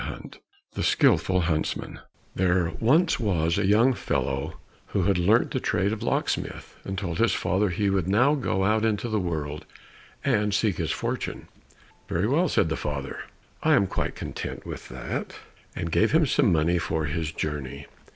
111 The Skilful Huntsman There was once a young fellow who had learnt the trade of locksmith, and told his father he would now go out into the world and seek his fortune. "Very well," said the father, "I am quite content with that," and gave him some money for his journey.